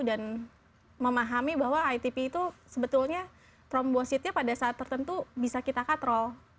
dan memahami bahwa itp itu sebetulnya trombositnya pada saat tertentu bisa kita kontrol